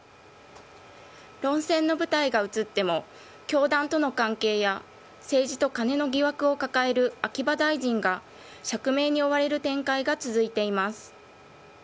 論戦の舞台が移っても教団との関係や政治とカネの疑惑を抱える秋葉大臣が釈明に追われる展開が続いています。